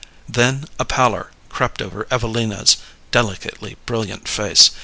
Then a pallor crept over Evelina's delicately brilliant face.